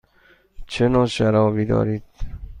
چه نوع شرابی دارید؟